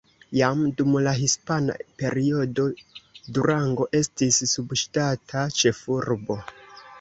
Jam dum la hispana periodo Durango estis subŝtata ĉefurbo.